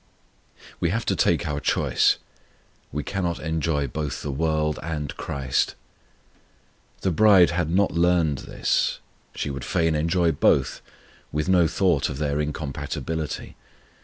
We have to take our choice: we cannot enjoy both the world and CHRIST. The bride had not learned this: she would fain enjoy both, with no thought of their incompatibility.